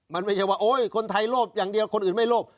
มันไม่ใช่ว่าโอ๊ยคนไทยโลภอย่างเดียวคนอื่นไม่โลภ